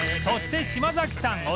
そして島崎さん